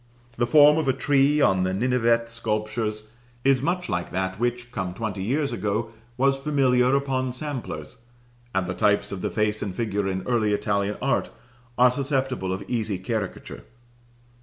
The form of a tree on the Ninevite sculptures is much like that which, come twenty years ago, was familiar upon samplers; and the types of the face and figure in early Italian art are susceptible of easy caricature.